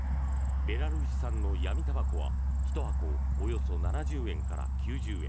ベラルーシ産の闇たばこは１箱およそ７０円から９０円。